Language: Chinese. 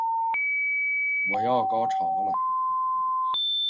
我要高潮了